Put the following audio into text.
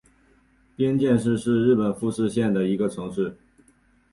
冰见市是日本富山县的一个城市。